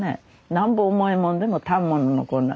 なんぼ重いもんでも反物のこんな。